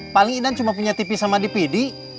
paling indah cuma punya tipi sama dpd